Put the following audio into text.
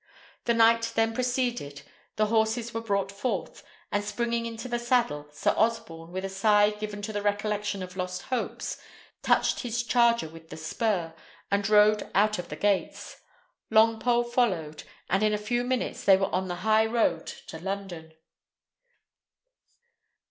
The knight then proceeded, the horses were brought forth, and springing into the saddle, Sir Osborne, with a sigh given to the recollection of lost hopes, touched his charger with the spur, and rode out of the gates. Longpole followed, and in a few minutes they were on the high road to London.